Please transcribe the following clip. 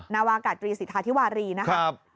นาวากาศตรีสิทธาธิวารีนะครับ